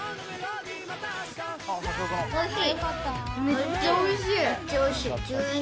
めっちゃ美味しい。